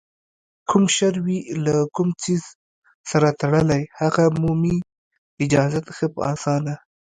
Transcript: کوم شر وي له کوم څیز سره تړلی، هغه مومي اجازت ښه په اسانه